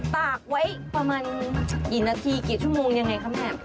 ตากไว้ประมาณกี่นาทีกี่ชั่วโมงยังไงคะแม่